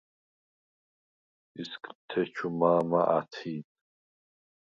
ისგთეჩუ მა̄მა ა̈თჰი̄დ.